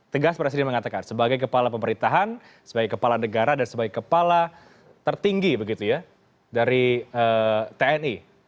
tegas presiden mengatakan sebagai kepala pemerintahan sebagai kepala negara dan sebagai kepala tertinggi begitu ya dari tni